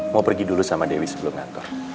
mau pergi dulu sama dewi sebelum ngantuk